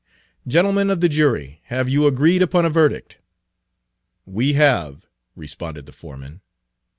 "Gentlemen of the jury, have you agreed upon a verdict?" "We have," responded the foreman.